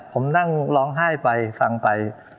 ผมนั่งร้องไห้ไปฟังไป